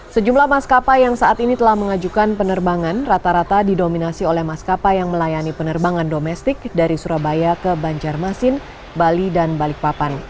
sejumlah maskapai yang saat ini telah mengajukan penerbangan rata rata didominasi oleh maskapai yang melayani penerbangan domestik dari surabaya ke banjarmasin bali dan balikpapan